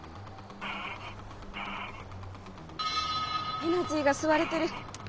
エナジーがすわれてる！